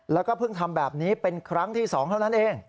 แล้วก็เพิ่งทำแบบนี้เป็นครั้งที่๒เท่านั้นเอง